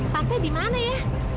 patah di mana ya